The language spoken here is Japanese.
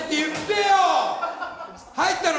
入ったの？